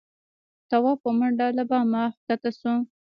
تواب په منډه له بامه کښه شو.